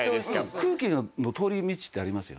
空気の通り道ってありますよね。